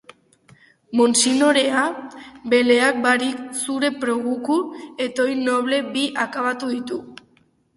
Monsinorea, beleak barik, zure proguko etoi noble bi akabatu ditu.